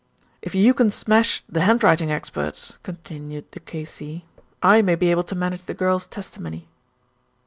"If you can smash the handwriting experts," continued the K.C., "I may be able to manage the girl's testimony."